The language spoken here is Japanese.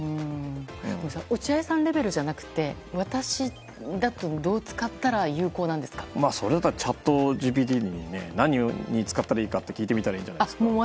落合さんレベルじゃなくて私だとチャットＧＰＴに何に使ったらいいかと聞いてみたらいいんじゃないですか。